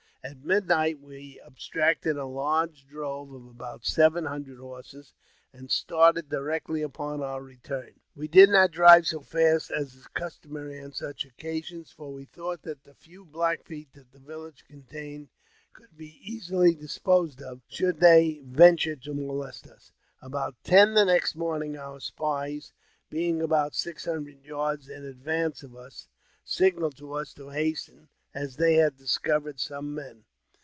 At midnight we abstracted a large drove of about seven hundred horses, and started directly upon our return. We did not drive so fast as is customary on such occasions, for we thought that the few Black Feet that the village contained could be easily disposed of, should they ven ture to molest us. About ten the next morning, our spies, being about six hundred yards in advance of us, signalled to us to hasten, as they had discovered some men.